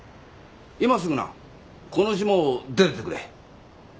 今すぐなこの島を出てってくれ。